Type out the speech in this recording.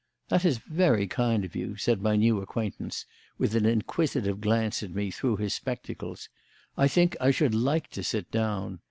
"That is very kind of you," said my new acquaintance, with an inquisitive glance at me through his spectacles. "I think I should like to sit down.